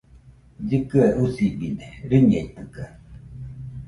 Llɨkɨe usibide, rɨñeitɨkaɨ